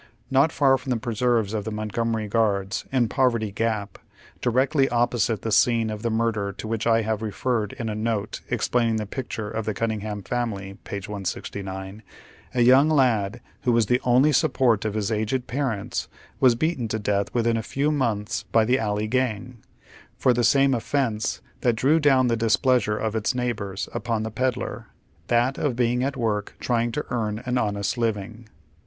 Not far from the preserves of the Montgomery Guards, in Poverty Gap, directly op posite the scene of the murder to whicli I have referred in a note explaining the picture of the Cunningltam faiu ily (p. 169), a young lad, who was the only support of his aged parents, was beaten to death within a few months by the " Alley Gang," for the same offence that drew down the displeasure of its neighbors upon the pedlar ; that of being at work trying to earn an honest living.